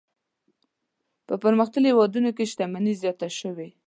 په پرمختللو هېوادونو کې شتمني زیاته شوې.